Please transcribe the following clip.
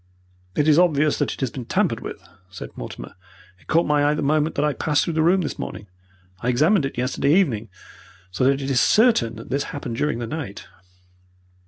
"It is obvious that it has been tampered with," said Mortimer. "It caught my eye the moment that I passed through the room this morning. I examined it yesterday evening, so that it is certain that this has happened during the night."